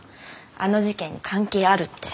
あの事件に関係あるって。